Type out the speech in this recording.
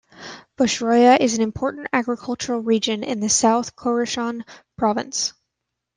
Boshruyeh is an important agricultural region in the South Khorasan Province.